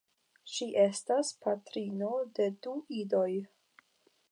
Ŝi estas patrino de du idoj.